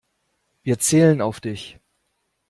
Wir zählen auf dich.